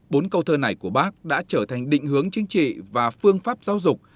bốn câu thơ này của bác đã trở thành định hướng chính trị và phương pháp giáo dục